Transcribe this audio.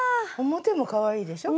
表もかわいいでしょ？